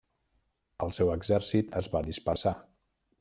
El seu exèrcit es va dispersar.